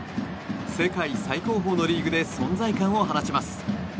世界最高峰のリーグで存在感を放ちます。